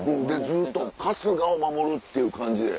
ずっと春日を守るっていう感じで。